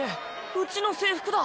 うちの制服だ。